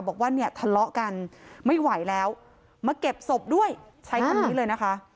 บอกว่าเนี่ยทะเลาะกันไม่ไหวแล้วมาเก็บศพด้วยใช้คำนี้เลยนะคะ